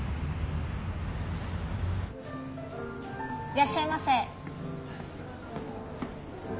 いらっしゃいませ。